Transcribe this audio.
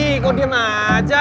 ih kok diam aja